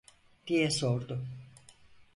diye sordu.